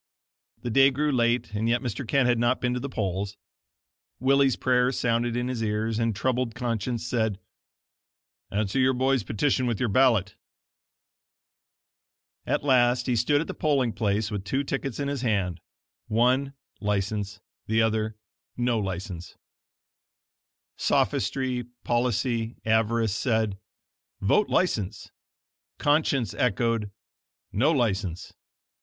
The day grew late and yet Mr. Kent had not been to the polls. Willie's prayer sounded in his ears, and troubled conscience said: "Answer your boy's petition with your ballot." At last he stood at the polling place with two tickets in his hand one, license; the other, "No License." Sophistry, policy, avarice said: "Vote License." Conscience echoed: "No License."